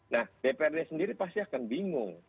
nah dprd sendiri pasti akan bingung